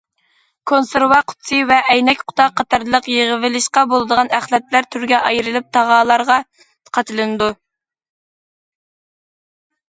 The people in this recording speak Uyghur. كونسېرۋا قۇتىسى ۋە ئەينەك قۇتا قاتارلىق يىغىۋېلىشقا بولىدىغان ئەخلەتلەر تۈرگە ئايرىلىپ، تاغارلارغا قاچىلىنىدۇ.